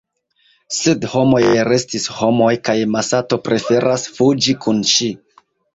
Sed “homoj restis homoj kaj Masato preferas fuĝi kun ŝi.